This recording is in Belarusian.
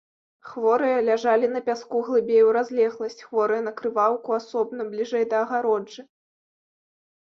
Хворыя ляжалі на пяску глыбей у разлегласць, хворыя на крываўку асобна, бліжэй да агароджы.